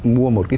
mua một cái